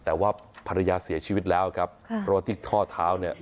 แต่ว่าภรรยาเสียชีวิตแล้วครับครับโรติกท่อเท้าเนี้ย